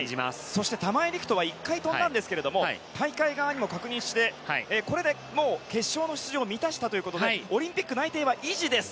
そして玉井陸斗は１回飛んだんですが大会側にも確認してこれで決勝の出場を満たしたということでオリンピック内定は維持です！